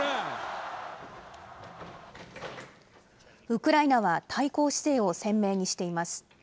ウクライナは対抗姿勢を鮮明にしています。